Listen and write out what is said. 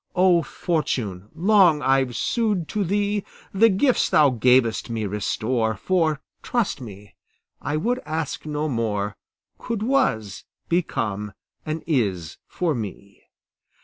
O Fortune, long I've sued to thee; The gifts thou gavest me restore, For, trust me, I would ask no more, Could 'was' become an 'is' for me.